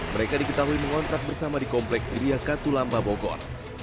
mereka diketahui mengontrak bersama di komplek iria katulampa bogor